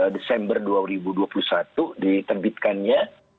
desember dua ribu dua puluh satu diterbitkannya